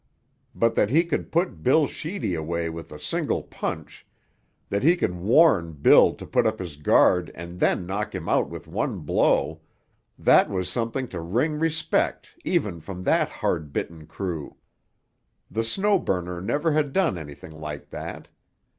But that he could put Bill Sheedy away with a single punch, that he could warn Bill to put up his guard and then knock him out with one blow, that was something to wring respect even from that hard bitten crew. The Snow Burner never had done anything like that.